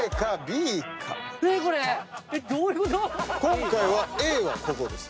今回はＡはここです。